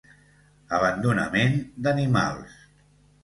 Abandonament d'animals.